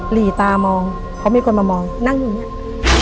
หลีตามองเพราะมีคนมามองนั่งอยู่อย่างนี้